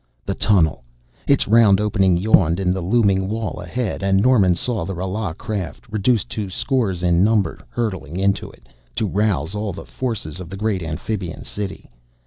The tunnel! Its round opening yawned in the looming wall ahead, and Norman saw the Rala craft, reduced to scores in number, hurtling into it, to rouse all the forces of the great amphibian city.